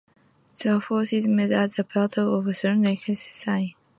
The forces met at the Battle of Strangford Lough and Halfdan was slain.